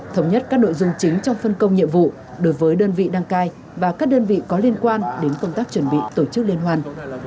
thống nhất các nội dung chính trong phân công nhiệm vụ đối với đơn vị đăng cai và các đơn vị có liên quan đến công tác chuẩn bị tổ chức liên hoàn